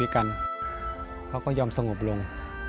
เขาก็ยอมสงบลง